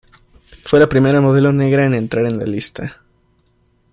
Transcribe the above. Fue la primera modelo negra en entrar en la lista.